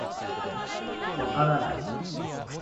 分からない。